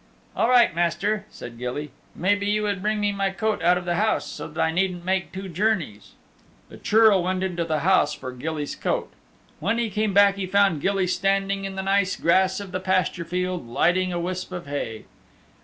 "All right, master," said Gilly. "Maybe you would bring me my coat out of the house so that I needn't make two journeys." The Churl went into the house for Gilly's coat. When he came back he found Gilly standing in the nice grass of the pasture field lighting a wisp of hay.